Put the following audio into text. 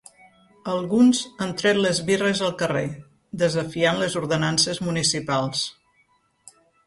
Alguns han tret les birres al carrer, desafiant les ordenances municipals.